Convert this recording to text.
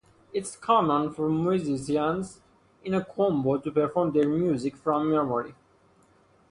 It's common for musicians in a combo to perform their music from memory.